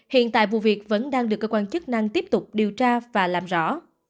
hiện tại vụ việc vẫn đang được cơ quan chức năng tiếp tục điều tra và làm rõ